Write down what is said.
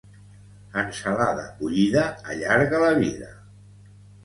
Ensalada bullida allarga la vida.